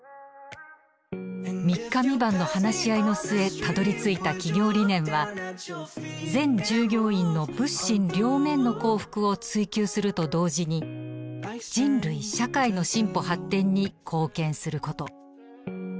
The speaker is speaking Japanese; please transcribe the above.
３日３晩の話し合いの末たどりついた企業理念は「全従業員の物心両面の幸福を追求すると同時に人類社会の進歩発展に貢献すること」。